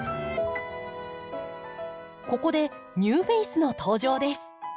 ここでニューフェースの登場です。